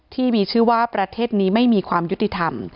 ที่มีชื่อว่าประเทศนี้ไม่มีความยุติธรรม